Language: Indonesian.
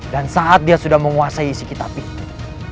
dan saat dia sudah menguasai isi kitab itu